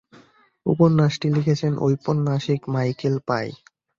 উপন্যাসটি লিখেছেন ঔপন্যাসিক মাইকেল পাই।